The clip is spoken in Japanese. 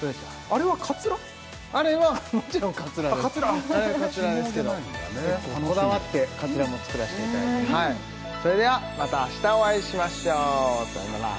あれはカツラですけど結構こだわってカツラも作らせていただいてそれではまた明日お会いしましょうさよなら